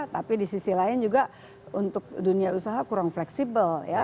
tapi di sisi lain juga untuk dunia usaha kurang fleksibel ya